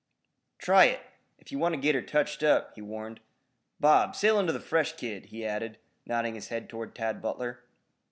"Try it, if ye want ter git touched up," he warned. "Bob, sail into the fresh kid," he added, nodding his head toward Tad Butler.